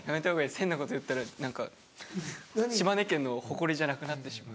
変なこと言ったら島根県の誇りじゃなくなってしまう。